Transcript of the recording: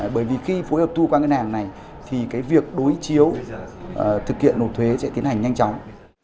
bởi vì khi phối hợp thu qua ngân hàng này thì cái việc đối chiếu thực hiện nộp thuế sẽ tiến hành nhanh chóng